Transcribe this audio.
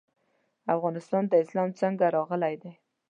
افغانستان ته اسلام څنګه راغلی دی؟